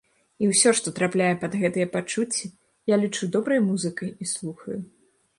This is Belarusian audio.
І ўсё, што трапляе пад гэтыя пачуцці, я лічу добрай музыкай і слухаю.